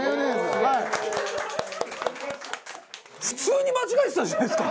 普通に間違えてたじゃないですか。